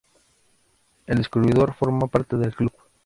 El descubridor forma parte del club.